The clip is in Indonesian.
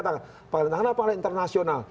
tangerang adalah pengadilan internasional